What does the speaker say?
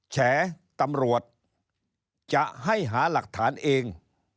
แฉตำรวจจะให้หาหลักฐานเอง